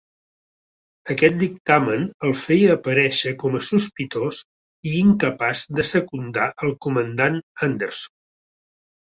Aquest dictamen el feia aparèixer com a sospitós i incapaç de secundar el comandant Anderson.